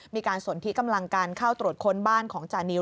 มีการสนที่กำลังการเข้าตรวจค้นบ้านของจานิว